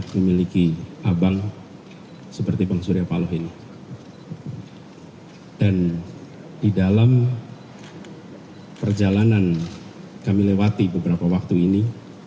memiliki abang seperti bang surya paloh ini dan di dalam perjalanan kami lewati beberapa waktu ini